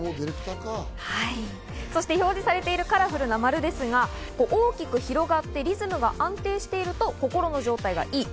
表示されているカラフルな丸ですが大きく広がってリズムが安定してると心の状態がいい。